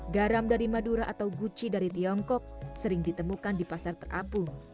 garam dari madura atau gucci dari tiongkok sering ditemukan di pasar terapung